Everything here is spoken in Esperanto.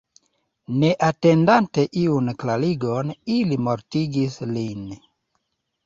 Ne atendante iun klarigon ili mortigis lin.